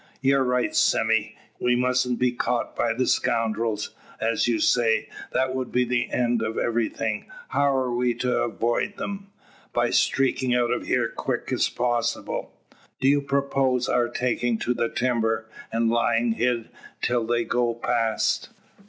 "You're right, Sime. We mustn't be caught by the scoundrels. As you say, that would be the end of everything. How are we to avoid them?" "By streakin' out o' hyar quick as possible." "Do you propose our taking to the timber, and lying hid till they go past?"